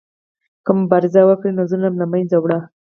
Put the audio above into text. که مبارزه وکړو نو ظلم له منځه وړو.